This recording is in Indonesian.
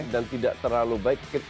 dan tidak terlalu baik